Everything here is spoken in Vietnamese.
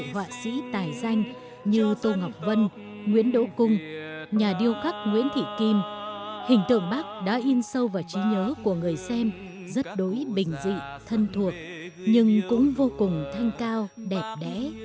hình tượng bác đã in sâu vào trí nhớ của người xem rất đối bình dị thân thuộc nhưng cũng vô cùng thanh cao đẹp đẽ